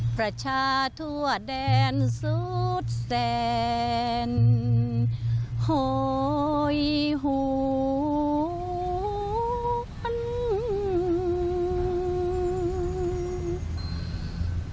ประชาทั่วแดนสุดแสนหอยหู